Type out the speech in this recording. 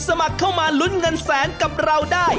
สมัครเข้ามาลุ้นเงินแสนกับเราได้